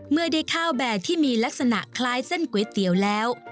เมื่อได้ข้าวแบบที่มีลักษณะคล้ายเส้นก๋วยเตี๋ยวแล้ว